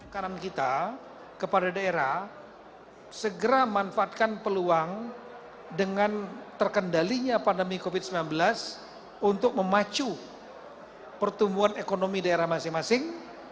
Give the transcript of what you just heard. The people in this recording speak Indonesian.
kanan kita kepada daerah segera manfaatkan peluang dengan terkendalinya pandemi covid sembilan belas untuk memacu pertumbuhan ekonomi daerah masing masing